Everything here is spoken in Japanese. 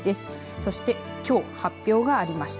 そしてきょう発表がありました。